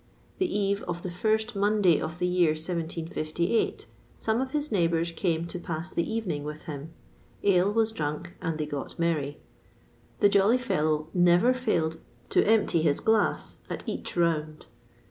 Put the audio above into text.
The eve of the first Monday of the year 1758, some of his neighbours came to pass the evening with him. Ale was drunk, and they got merry. The jolly fellow never failed to empty his glass at each round.